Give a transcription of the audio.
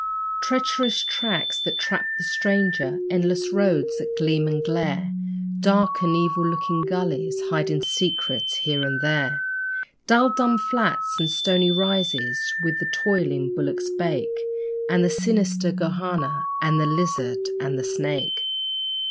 Treacherous tracks that trap the stranger, endless roads that gleam and glare, Dark and evil looking gullies, hiding secrets here and there! Dull dumb flats and stony rises, where the toiling bullocks bake, And the sinister 'gohanna', and the lizard, and the snake.